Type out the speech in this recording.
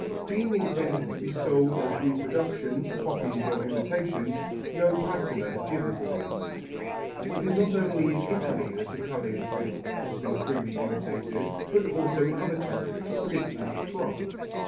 Being intended to be sold as reproductions, copies or imitations, no patina is given to these. It is not only in Italy that Italian faience has been freely imitated but also in other countries, particularly France.